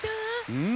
うん。